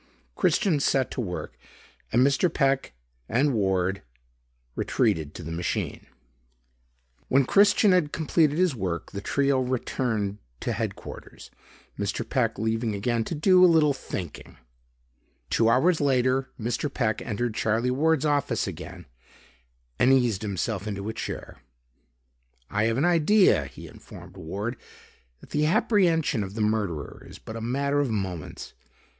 Christian set to work and Mr. Peck and Ward retreated to the machine. When Christian had completed his work, the trio returned to headquarters, Mr. Peck leaving again to "do a little thinking." Two hours later, Mr. Peck entered Charlie Ward's office again and eased himself into a chair. "I have an idea," he informed Ward, "that the apprehension of the murderer is but a matter of moments.